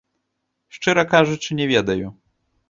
Шчыра кажучы, не ведаю.